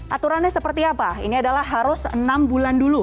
aturannya seperti apa ini adalah harus enam bulan dulu